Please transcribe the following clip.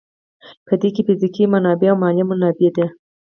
په دې کې فزیکي منابع او مالي منابع دي.